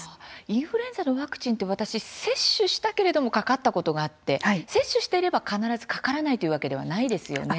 インフルエンザのワクチンって私接種したけれどもかかったことがあって接種していれば必ずかからないというわけではないですよね。